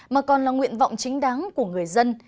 mà còn là nguyện vọng chính đáng của người dân